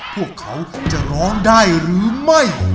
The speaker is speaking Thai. พวกเขาจะร้องได้หรือไม่